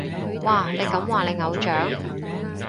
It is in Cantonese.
哇，你咁話你偶像？